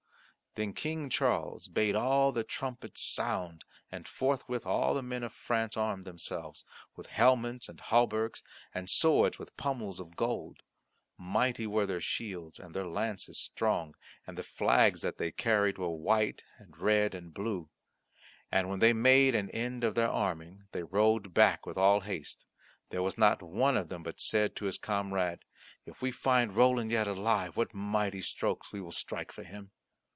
Then King Charles bade all the trumpets sound, and forthwith all the men of France armed themselves, with helmets, and hauberks, and swords with pummels of gold. Mighty were their shields, and their lances strong, and the flags that they carried were white and red and blue. And when they made an end of their arming they rode back with all haste. There was not one of them but said to his comrade, "If we find Roland yet alive, what mighty strokes will we strike for him!"